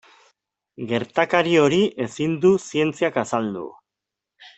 Gertakari hori ezin du zientziak azaldu.